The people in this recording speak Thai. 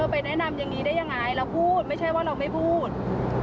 ไปแนะนำอย่างนี้ได้ยังไงเราพูดไม่ใช่ว่าเราไม่พูด